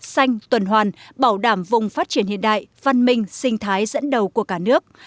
xanh tuần hoàn bảo đảm vùng phát triển hiện đại văn minh sinh thái dẫn đầu của cả nước